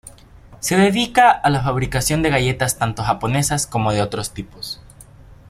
Se dedica a la fabricación de galletas tanto japonesas como de otros tipos.